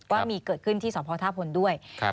ว่ามีเกิดขึ้นที่สพท่าพลด้วย